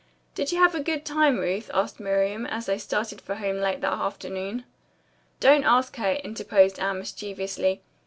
"Did you have a good time, Ruth?" asked Miriam, as they started for home late that afternoon. "Don't ask her," interposed Anne mischievously.